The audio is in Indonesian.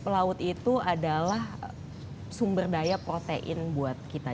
laut itu adalah sumber daya protein buat kita